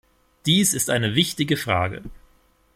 Dies ist eine wichtige Frage.